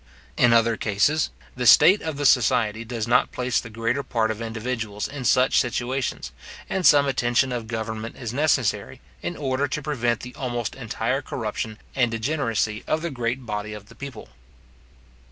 In other cases, the state of the society does not place the greater part of individuals in such situations; and some attention of government is necessary, in order to prevent the almost entire corruption and degeneracy of the great body of the people.